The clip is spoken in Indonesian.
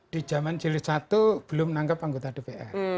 di jaman jilid satu belum menangkap anggota dpr